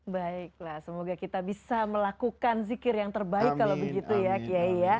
baiklah semoga kita bisa melakukan zikir yang terbaik kalau begitu ya kiai ya